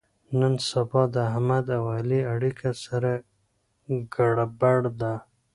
نن سبا د احمد او علي اړیکه سره ګړبړ ده.